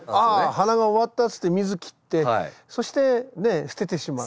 「花が終わった」つって水切ってそして捨ててしまう。